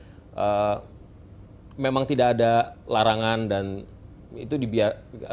karena memang tidak ada larangan dan itu dibiarkan